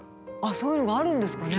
そういうのがあるんですかね？